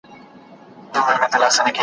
وخت د هر چا لپاره مهم دی.